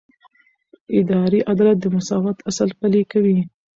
اداري عدالت د مساوات اصل پلي کوي.